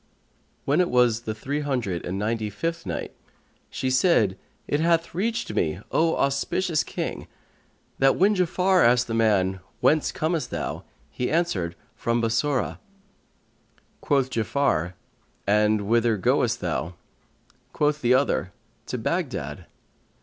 When it was the Three Hundred and Ninety fifth Night, She said, it hath reached me, O auspicious King, that when Ja'afar asked the man, "Whence comest thou?"; he answered "From Bassorah." Quoth Ja'afar, "And whither goest thou?" Quoth the other, "To Baghdad."